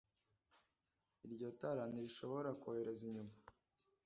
Iryo tara ntirishobora kwohereza inyuma